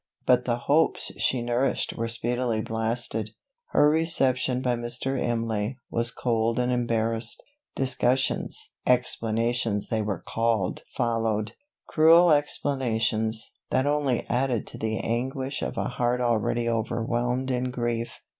But the hopes she nourished were speedily blasted. Her reception by Mr. Imlay, was cold and embarrassed. Discussions ("explanations" they were called) followed; cruel explanations, that only added to the anguish of a heart already overwhelmed in grief!